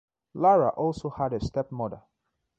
Lara also had a stepmother.